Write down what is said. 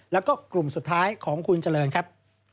แล้วก็กลุ่มสุดท้ายของคุณเจริญครับ